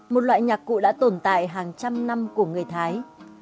một loại nhạc cụ đã tồn tại hàng trăm năm của người thái